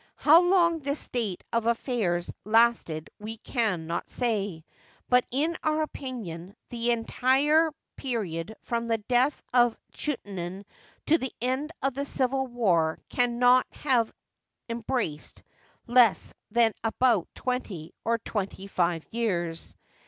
How long this state of affairs lasted we can not say, but in our opinion the entire period from the death of Chuenaten to the end of the civil war can not have embraced less than about twenty or twenty five years.